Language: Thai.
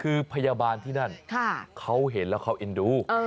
คือพยาบาลที่นั่นเขาเห็นแล้วเขาเอ็นดู